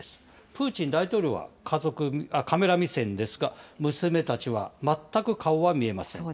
プーチン大統領はカメラ目線ですが、娘たちはまったく顔は見えません。